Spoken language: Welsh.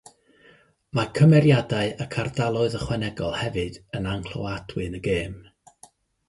Mae cymeriadau ac ardaloedd ychwanegol hefyd yn anghloadwy yn y gêm.